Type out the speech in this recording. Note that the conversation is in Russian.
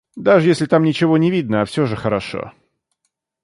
Даже если там ничего не видно, а всё же хорошо.